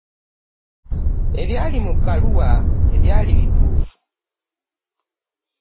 Ebyali mu bbaluwa tebyali bituufu.